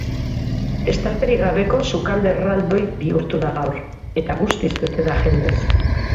Estalperik gabeko sukalde erraldoi bihurtu da gaur eta guztiz bete da jendez.